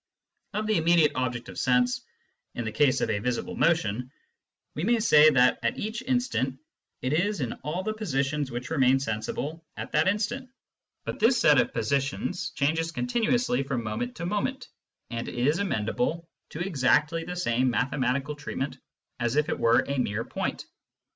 Of the immediate object of sense, in the case of a visible motion, we may say that at each instant it is in all the positions which remain sensible at that instant ; but this set of positions changes continuously from moment to moment, and is amenable to exactly the same mathematical treatment as if it were a mere point.